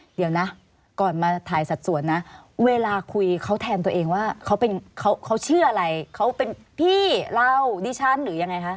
เดี๋ยวนะก่อนมาถ่ายสัดส่วนนะเวลาคุยเขาแทนตัวเองว่าเขาชื่ออะไรเขาเป็นพี่เราดิฉันหรือยังไงคะ